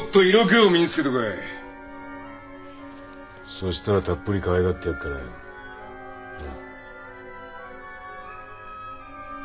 そしたらたっぷりかわいがってやるからよ。な。